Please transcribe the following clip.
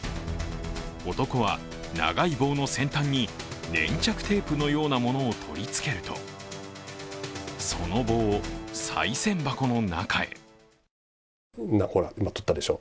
男は長い棒の先端に、粘着テープのようなものを取りつけると、その棒を、さい銭箱の中へ。